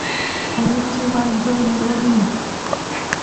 Eyitibwa ddoddolima.